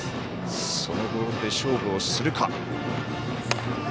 そのボールで勝負をするか。